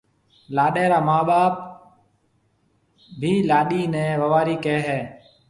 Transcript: لاڏيَ را مان ٻاپ بي لاڏيِ نَي ووارِي ڪهيَ هيَ۔